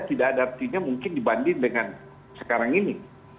tidak ada artinya mungkin dibanding dengan sekarang ini